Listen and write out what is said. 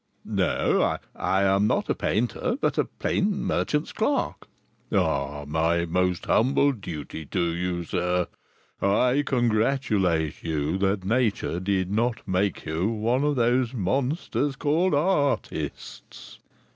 "No, I am not a painter, but a plain merchant's clerk." "My most humble duty to you, sir. I congratulate you that Nature did not make you one of those monsters called artists."